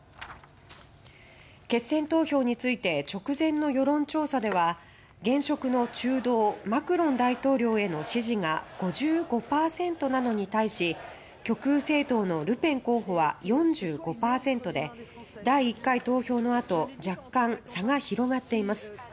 決選投票について直前の世論調査では現職の中道マクロン大統領への支持が５５％なのに対し極右政党のルペン候補は４５％で、第１回投票のあと若干、差が広がっています。